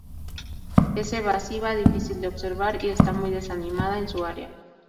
Es evasiva, difícil de observar, y está muy diseminada en su área.